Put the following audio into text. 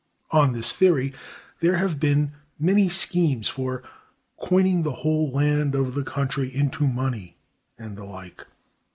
On this theory there have been many schemes for "coining the whole land of the country into money" and the like.